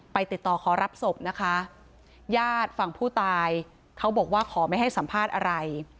ติดต่อขอรับศพนะคะญาติฝั่งผู้ตายเขาบอกว่าขอไม่ให้สัมภาษณ์อะไร